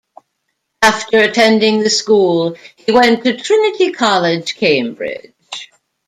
After attending the school, he went to Trinity College, Cambridge.